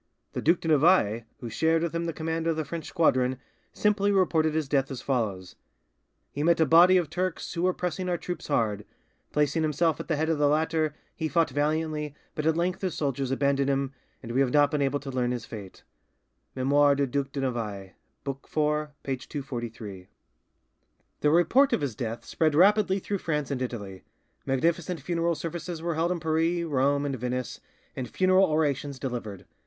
The Duc de Navailles, who shared with him the command of the French squadron, simply reported his death as follows: "He met a body of Turks who were pressing our troops hard: placing himself at the head of the latter, he fought valiantly, but at length his soldiers abandoned him, and we have not been able to learn his fate" ('Memoires du Duc de Navailles', book iv. P. 243) The report of his death spread rapidly through France and Italy; magnificent funeral services were held in Paris, Rome, and Venice, and funeral orations delivered.